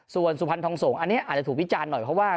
ส่วนสุพรรณทองสงฆ์อันนี้อาจจะถูกวิจารณ์หน่อยเพราะว่า